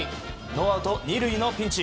ノーアウト２塁のピンチ。